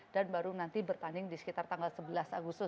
dan baru nanti bertanding di sekitar tanggal sebelas agustus